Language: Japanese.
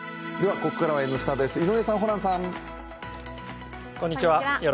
ここからは「Ｎスタ」です、井上さん、ホランさん。